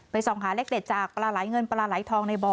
ส่องหาเลขเด็ดจากปลาไหลเงินปลาไหลทองในบ่อ